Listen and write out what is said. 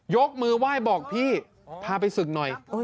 ยกมือไหว้บอกพี่พาไปศึกหน่อย